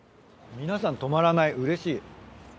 皆さん止まらないうれしい。